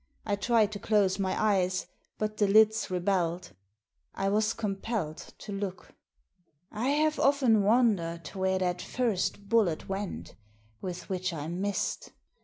I tried to close my eyes, but the lids rebelled. I was compelled to look. "I have often wondered where that first bullet went with which I missed.